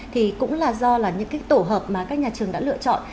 thì cũng là do là những cái tổ hợp mà các nhà trường đã lựa chọn